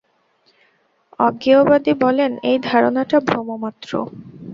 অজ্ঞেয়বাদী বলেন, এই ধারণাটা ভ্রমমাত্র।